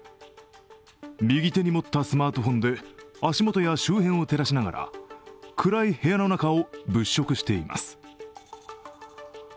右手に持ったスマートフォンで足元や周辺を照らしながら暗い部屋の中を物色しています。